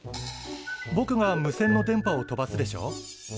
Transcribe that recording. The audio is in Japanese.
ぼくが無線の電波を飛ばすでしょ。